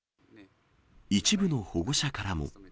一部の保護者からも。